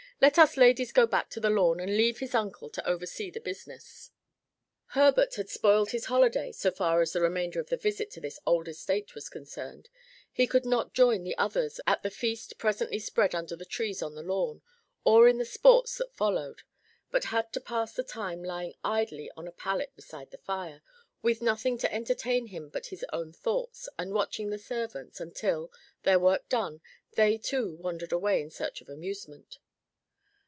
"Let us ladies go back to the lawn, and leave his uncle to oversee the business." Herbert had spoiled his holiday so far as the remainder of the visit to this old estate was concerned: he could not join the others at the feast presently spread under the trees on the lawn, or in the sports that followed; but had to pass the time lying idly on a pallet beside the fire, with nothing to entertain him but his own thoughts and watching the servants, until, their work done, they too wandered away in search of amusement.